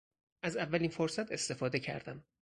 از اولین فرصت استفاده کردم.